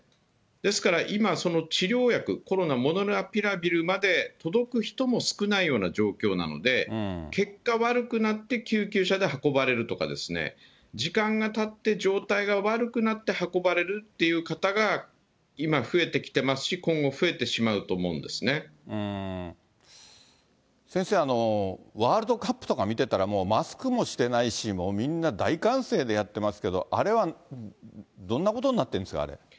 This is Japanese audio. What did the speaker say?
ですから、今、その治療薬、コロナ、モルヌピラビルまで届く人も少ないような状況なので、結果悪くなって救急車で運ばれるとかですね、時間がたって状態が悪くなって運ばれるっていう方が今、増えてきてますし、今後増えてしま先生、ワールドカップとか見てたら、もうマスクもしてないし、もうみんな大歓声でやってますけど、あれはどんなことになってるんですか、あれ。